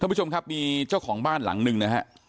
ผู้ชมครับมีเจ้าของบ้านหลังหนึ่งนะฮะ